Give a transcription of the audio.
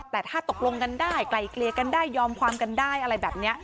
แต่ถ้าตกลงกันได้ไกลเกลียกันได้ยอมความกันได้อะไรแบบนี้